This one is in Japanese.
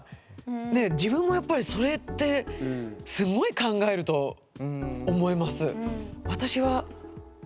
自分もやっぱりそれってすごい考えると思います。